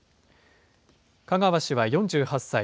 香川氏は４８歳。